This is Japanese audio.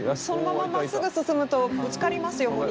そのまままっすぐ進むとぶつかりますよ